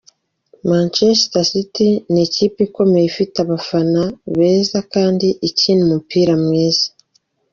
Manchester City n’ikipe ikomeye ifite abafana beza kandi ikina umupira mwiza.